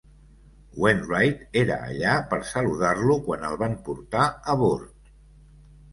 Wainwright era allà per saludar-lo quan el van portar a bord.